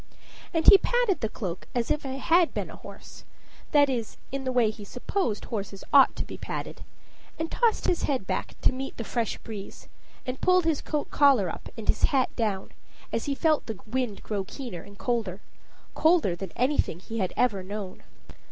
And he patted the cloak as if it had been a horse that is, in the way he supposed horses ought to be patted and tossed his head back to meet the fresh breeze, and pulled his coat collar up and his hat down as he felt the wind grow keener and colder colder than anything he had ever known.